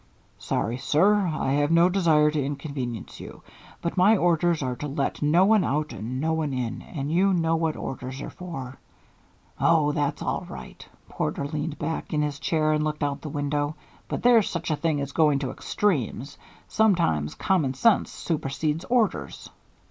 "Sorry, sir. I have no desire to inconvenience you, but my orders are to let no one out and no one in. And you know what orders are for." "Oh, that's all right," Porter leaned back in his chair and looked out the window, "but there's such a thing as going to extremes. Sometimes common sense supersedes orders."